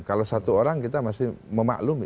kalau satu orang kita masih memaklumi